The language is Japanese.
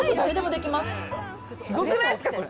すごくないですか、これ。